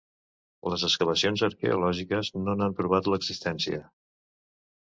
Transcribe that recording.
Les excavacions arqueològiques no n'han provat l'existència.